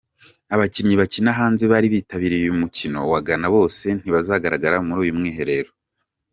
Abakinnyi bakina hanze bari bitabiriye umukino wa Ghana bose ntibazagaragara muri uyu mwiherero.